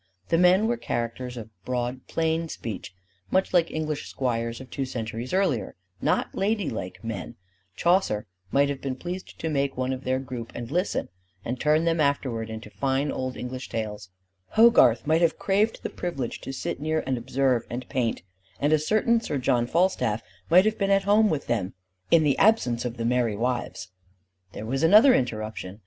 The men were characters of broad plain speech, much like English squires of two centuries earlier: not ladylike men: Chaucer might have been pleased to make one of their group and listen, and turn them afterwards into fine old English tales; Hogarth might have craved the privilege to sit near and observe and paint; and a certain Sir John Falstaff might have been at home with them in the absence of the "Merry Wives." There was another interruption.